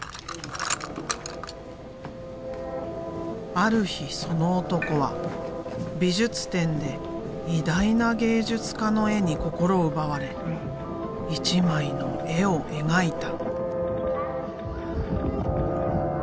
ある日その男は美術展で偉大な芸術家の絵に心奪われ一枚の絵を描いた。